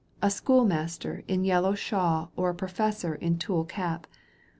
83 A schoolmaster in yellow shawl Or a professor in tulle cap.